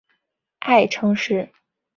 爱称是。